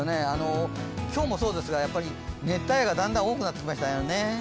今日もそうですが、熱帯夜が、だんだん多くなってきましたね。